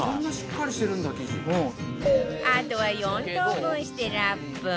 あとは４等分してラップ